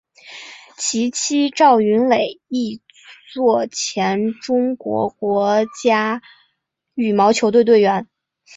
其妻赵芸蕾亦为前中国国家羽毛球队队员。